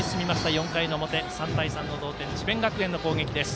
４回の表、３対３の同点智弁学園の攻撃です。